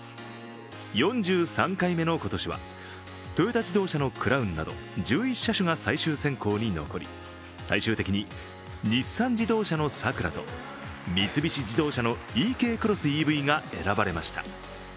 ４３回目の今年はトヨタ自動車のクラウンなど、１１車種が最終選考に残り、最終的に日産自動車のサクラと三菱自動車のｅＫクロスＥＶが選ばれました。